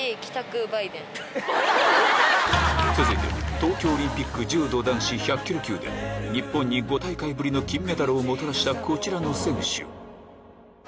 続いて東京オリンピック柔道男子 １００ｋｇ 級で日本に５大会ぶりの金メダルをもたらしたこちらの選手